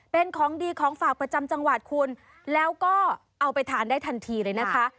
เป็นของดีของฝากประจำจังหวัดคุณแล้วก็เอาไปทานได้ทันทีเลยนะคะ